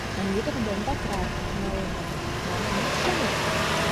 А ӱдырым ондакрак налынам манын от шоно?